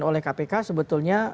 oleh kpk sebetulnya